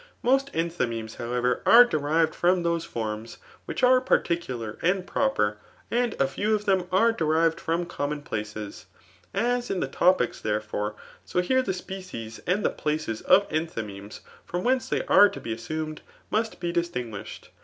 Most enthymemes, however, are derived from those forms which are particular and proper; and a few of them are derived from common [places.] As in the Topics', therefore, so here the species and the places of enthy' memeSp from whence they are to be assumed, must be distinguished.